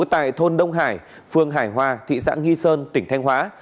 tại thôn đông hải phường hải hòa thị xã nghi sơn tỉnh thanh hóa